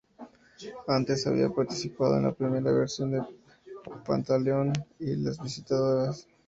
Antes, había participado de la primera versión de "Pantaleón y las visitadoras".